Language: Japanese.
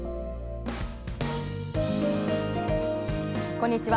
こんにちは。